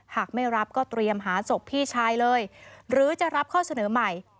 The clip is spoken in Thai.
หากไม่รับก็เตรียมหาศพพี่ชายเลยหรือจะรับข้อเสนอใหม่